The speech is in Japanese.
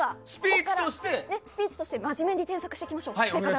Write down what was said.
では、スピーチとして真面目に添削していきましょう。